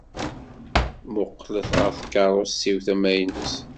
Mmuqqlet ɣer tkeṛṛust-iw tamaynut.